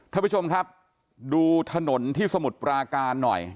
ท่านผู้ชมครับดูถนนที่สมุทรปราการหน่อย